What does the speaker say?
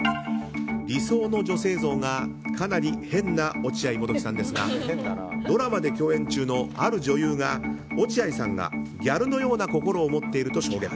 理想の女性像がかなり変な落合モトキさんですがドラマで共演中のある女優が落合さんがギャルのような心を持っていると証言。